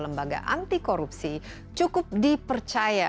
lembaga anti korupsi cukup dipercaya